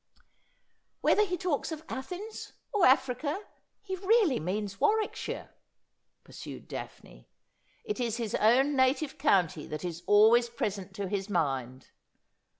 ' Whether he talks of Athens — or Africa — he really means Warwickshire,' pursued Daphne. ' It i§ his own native county that is always present to his mind.